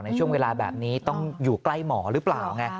ในช่วงเวลาแบบนี้ต้องอยู่ใกล้หมอหรือเปล่าไง